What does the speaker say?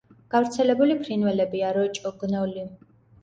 გავრცელებული ფრინველებია: როჭო, გნოლი.